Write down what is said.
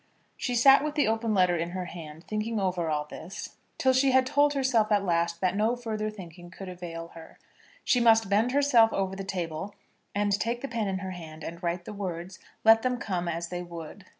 She sat with the open letter in her hand, thinking over all this, till she told herself at last that no further thinking could avail her. She must bend herself over the table, and take the pen in her hand, and write the words, let them come as they would.